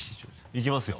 いきますよ